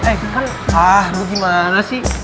eh kan ah gimana sih